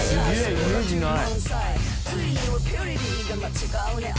イメージない」